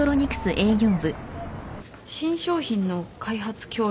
新商品の開発協力ですか？